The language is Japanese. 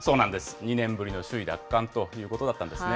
２年ぶりの首位奪還ということだったんですね。